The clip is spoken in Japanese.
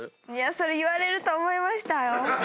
それ言われると思いましたよ。